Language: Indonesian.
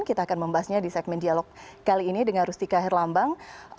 kita akan membahasnya di segmen dialog kali ini dengan rustika herlambang